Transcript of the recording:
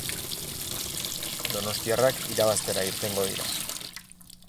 Donostiarrak irabaztera irtengo dira.